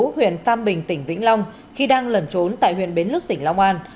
huyện tam bình tỉnh vĩnh long khi đang lẩn trốn tại huyện bến lức tỉnh long an